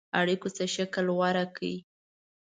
اړېکو څه شکل غوره کړ.